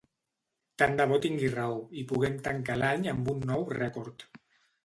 Tant de bo tingui raó i puguem tancar l’any amb un nou rècord.